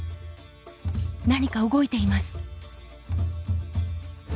何か動いています！